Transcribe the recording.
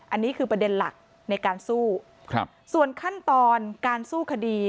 อันนี้คือประเด็นหลักในการสู้ครับส่วนขั้นตอนการสู้คดี